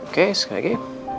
oke sekali lagi